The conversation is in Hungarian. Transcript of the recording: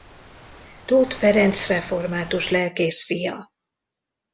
Tóth Ferenc református lelkész fia.